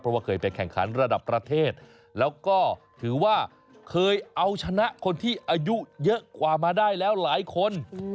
เพราะว่าเคยไปแข่งขันระดับประเทศแล้วก็ถือว่าเคยเอาชนะคนที่อายุเยอะกว่ามาได้แล้วหลายคน